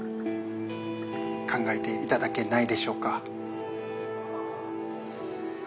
考えていただけないでしょうか？